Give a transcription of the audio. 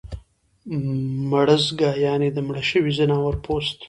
مړزګه یعنی د مړه شوي ځناور پوست